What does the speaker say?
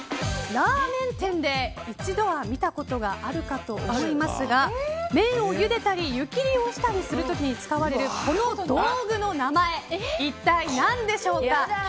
ラーメン店で一度は見たことがあるかと思いますが麺をゆでたり湯切りをしたりする時に使われるこの道具の名前一体、何でしょうか。